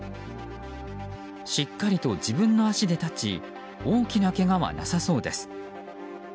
しっかりと自分の足で立ち大きなけがはなさそうです。